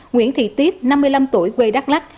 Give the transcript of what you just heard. nguyễn thị tuyết năm mươi năm tuổi quê đắk lắc